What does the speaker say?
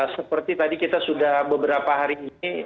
seperti tadi kita sudah beberapa hari ini